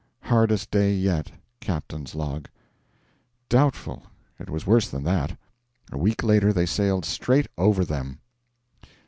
Hardest day yet. Captain's Log. Doubtful! It was worse than that. A week later they sailed straight over them.